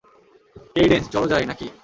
Cadence, চলো যাই, নাকি?